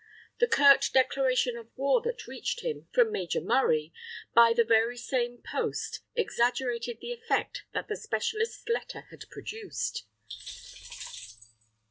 The curt declaration of war that reached him from Major Murray, by the very same post, exaggerated the effect that the specialist's letter had produced.